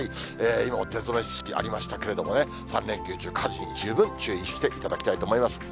今、出初め式がありましたけれども、３連休中、火事に十分注意していただきたいと思います。